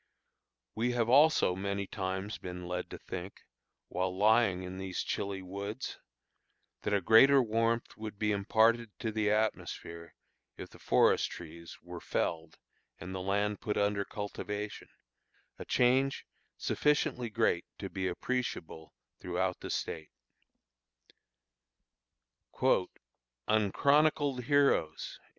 We have also many times been led to think, while lying in these chilly woods, that a greater warmth would be imparted to the atmosphere if the forest trees were felled and the land put under cultivation, a change sufficiently great to be appreciable throughout the State. "UNCHRONICLED HEROES."